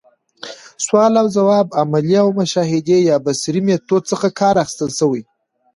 سوال اوځواب، عملي او مشاهدي يا بصري ميتود څخه کار اخستلاي سي.